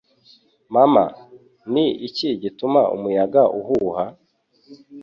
Mama, ni iki gituma umuyaga uhuha?